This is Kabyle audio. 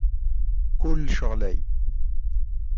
Kullec ɣlay.